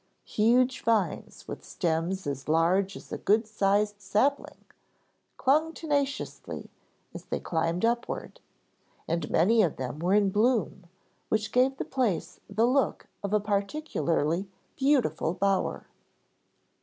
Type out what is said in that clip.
Huge vines with stems as large as a good sized sapling, clung tenaciously as they climbed upward, and many of them were in bloom which gave the place the look of a particularly beautiful bower.